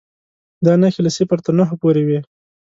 دا نښې له صفر تر نهو پورې وې.